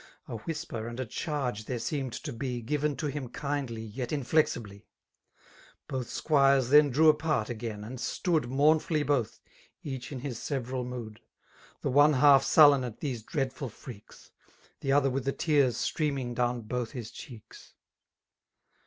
A whisper^ and a charge there seemed to be» Given to him kindly yet inflexibly : Both squires then drew apart again^ and stood Moumfolly both, each in his several mood^ — The one half sullen at these dreadful frea&a> The other with the tears streaming down both his cheeks.